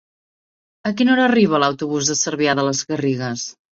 A quina hora arriba l'autobús de Cervià de les Garrigues?